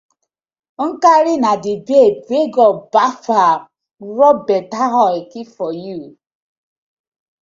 Nkari na di babe wey God baf am rob betta oil keep for yu.